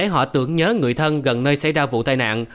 họ tưởng nhớ người thân gần nơi xảy ra vụ tai nạn